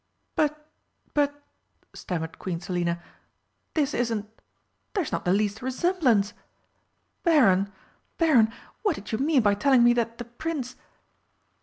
"But but," stammered Queen Selina, "this isn't there's not the least resemblance! Baron, Baron, what did you mean by telling me that the Prince